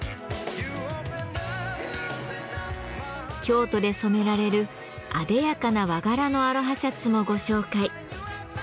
京都で染められるあでやかな和柄のアロハシャツもご紹介。